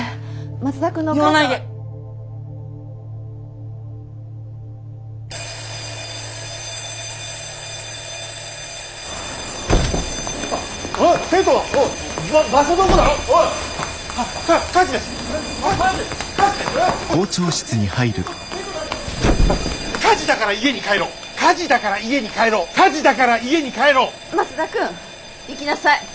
松田君行きなさい。